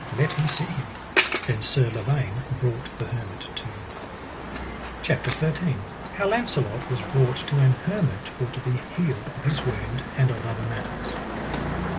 let me see him. Then Sir Lavaine brought the hermit to him. CHAPTER XIII. How Launcelot was brought to an hermit for to be healed of his wound, and of other matters.